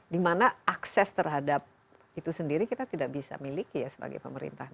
dimana akses terhadap itu sendiri kita tidak bisa miliki ya sebagai pemerintah